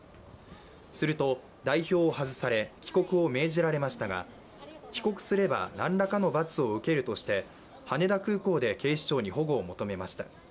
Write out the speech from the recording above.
すると代表を外され帰国を命じられましたが、帰国すれば何らかの罰を受けるとして羽田空港で警視庁に保護を求めました。